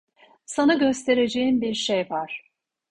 Sana göstereceğim bir şey var.